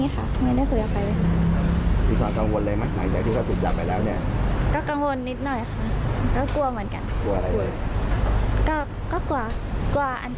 ปกติที่เราได้รับงานจากประเภทเนี่ยค่ะ